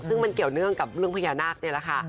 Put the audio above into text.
ซึ่งมันเกี่ยวเนื่องกับเรื่องพญานาคนี่แหละค่ะ